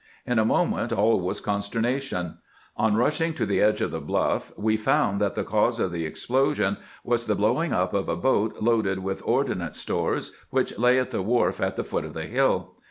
In a moment all was consternation. On nisMng to the edge of the bluff, we found that the cause of the explosion was the blowing up of a boat loaded with ordnance stores which lay at the wharf at the foot of the hill.